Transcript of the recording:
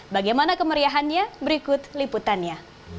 bagaimana kemeriahannya berikut liputannya